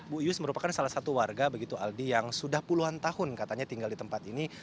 bu yus merupakan salah satu warga begitu aldi yang sudah puluhan tahun katanya tinggal di tempat ini